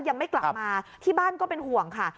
ยังไม่กลับมาที่บ้านก็เป็นห่วงค่ะ